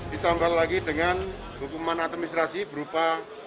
ditambah lagi dengan hukuman administrasi berupa